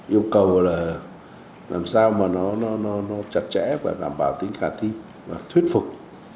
yêu cầu là làm sao mà nó chặt chẽ và bảo đảm tính khả thi và thuyết phục